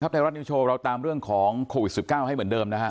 ไทยรัฐนิวโชว์เราตามเรื่องของโควิด๑๙ให้เหมือนเดิมนะฮะ